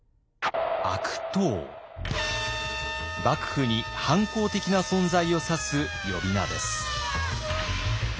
幕府に反抗的な存在を指す呼び名です。